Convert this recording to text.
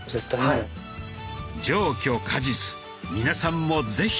上虚下実皆さんも是非！